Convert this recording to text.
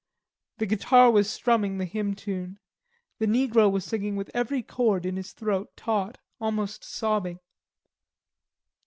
The guitar was strumming the hymn tune. The negro was singing with every cord in his throat taut, almost sobbing.